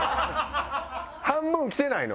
半分来てない？